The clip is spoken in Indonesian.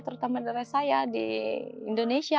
terutama dari saya di indonesia